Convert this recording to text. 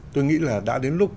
tôi nghĩ là đã đến lúc